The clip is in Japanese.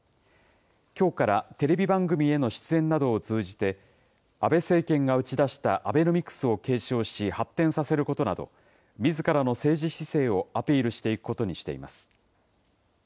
きょうからテレビ番組への出演などを通じて、安倍政権が打ち出したアベノミクスを継承し、発展させることなど、みずからの政治姿勢をアピールしていくことにしています。